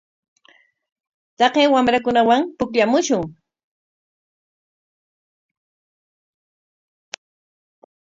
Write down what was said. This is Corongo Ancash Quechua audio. Taqay wamrakunawan pukllamushun.